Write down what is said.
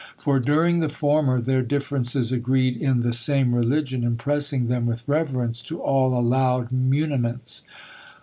"For during the former their differences agreed in the same religion, impressing them with reverence to all allowed muniments!